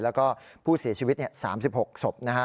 แล้วก็ผู้เสียชีวิต๓๖ศพนะฮะ